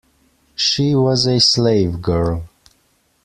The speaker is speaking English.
She was a slave girl.